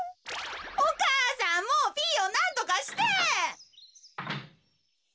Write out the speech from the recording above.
お母さんもうピーヨンなんとかして！